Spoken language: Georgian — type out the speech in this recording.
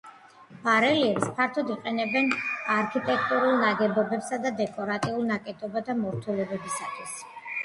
ბარელიეფს ფართოდ იყენებენ არქიტექტურულ ნაგებობებსა და დეკორატიულ ნაკეთობათა მორთულობისათვის.